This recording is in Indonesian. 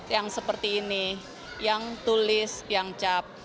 yang seperti ini yang tulis yang cap